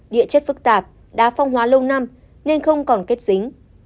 địa chất phức tạp đá phong hóa lâu năm nên không còn kết dính